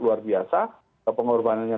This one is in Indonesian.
luar biasa pengorbanannya